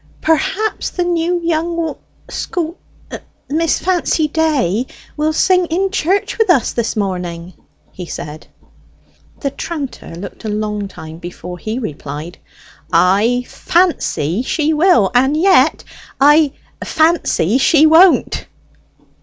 "Perhaps the new young wom sch Miss Fancy Day will sing in church with us this morning," he said. The tranter looked a long time before he replied, "I fancy she will; and yet I fancy she won't."